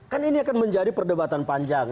kan ini akan menjadi perdebatan panjang